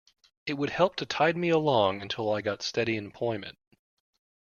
It would help to tide me along until I got steady employment.